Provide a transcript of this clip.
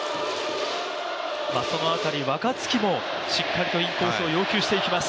その辺り、若月もしっかりとインコースを要求していきます。